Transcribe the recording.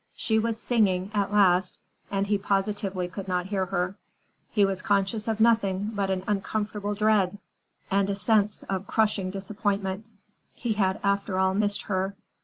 She was singing, at last, and he positively could not hear her. He was conscious of nothing but an uncomfortable dread and a sense of crushing disappointment. He had, after all, missed her.